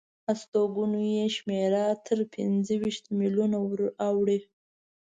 استوګنو یې شمېره تر پنځه ویشت میلیونو وراوړي.